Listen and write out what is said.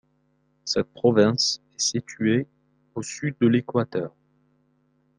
Cette province est située au sud de l'Équateur.